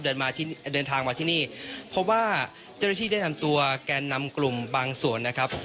เดินทางมาที่นี่เพราะว่าเจ้าหน้าที่ได้นำตัวแกนนำกลุ่มบางส่วนนะครับ